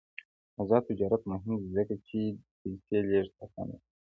آزاد تجارت مهم دی ځکه چې پیسې لیږد اسانوي.